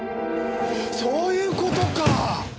そういう事か！